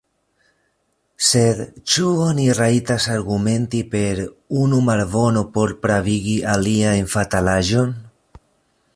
Sed ĉu oni rajtas argumenti per unu malbono por pravigi alian fatalaĵon?